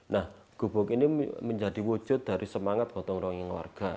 nah gubuk ini menjadi wujud dari semangat gotong royong warga